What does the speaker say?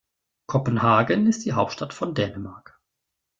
Kopenhagen ist die Hauptstadt von Dänemark.